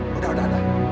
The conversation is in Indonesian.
sudah sudah sudah